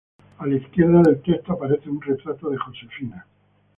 A la izquierda del texto, aparece un retrato de Josefina.